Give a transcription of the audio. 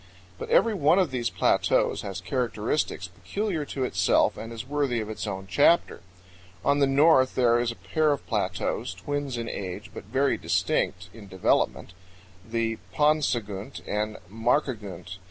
But every one of these plateaus has characteristics peculiar to itself and is worthy of its own chapter. On the north there is a pair of plateaus, twins in age, but very distinct in development, the Paunsagunt and Markagunt.